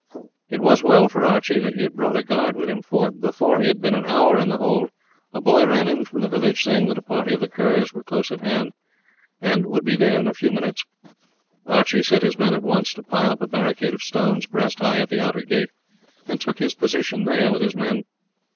It was well for Archie that he had brought a guard with him, for before he had been an hour in the hold a boy ran in from the village saying that a party of the Kerrs was close at hand, and would be there in a few minutes. Archie set his men at once to pile up a barricade of stones breast high at the outer gate, and took his position there with his men.